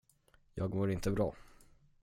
Jag mår inte bra.